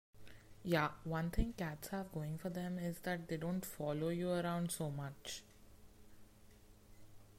Yeah, one thing cats have going for them is that they don't follow you around so much.